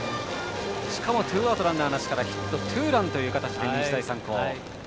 しかもツーアウトランナーなしからヒット、ツーランという形日大三高。